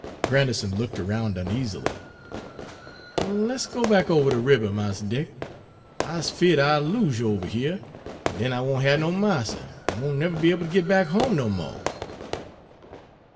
Grandison looked around uneasily. "Let's go back ober de ribber, Mars Dick. I's feared I'll lose you ovuh heah, an' den I won' hab no marster, an' won't nebber be able to git back home no mo'."